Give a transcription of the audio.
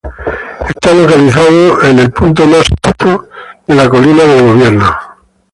Está localizado en el punto más alto de Government Hill.